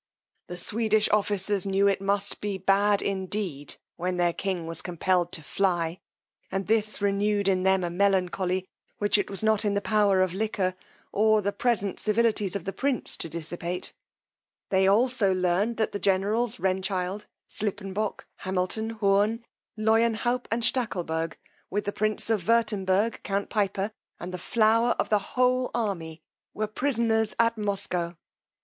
The Swedish officers knew it must be bad indeed when their king was compelled to fly; and this renewed in them a melancholy, which it was not in the power of liquor, or the present civilities of the prince to dissipate: they also learned that the generals Renchild, Slipenbock, Hamilton, Hoorn, Leuenhaup, and Stackelburg, with the prince of Wirtemburg, count Piper, and the flower of the whole army, were prisoners at Muscow.